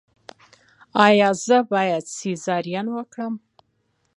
ایا زه باید سیزارین وکړم؟